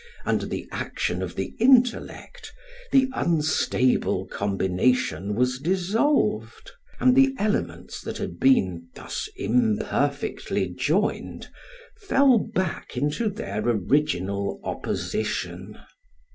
Under the action of the intellect the unstable combination was dissolved and the elements that had been thus imperfectly joined fell back into their original opposition.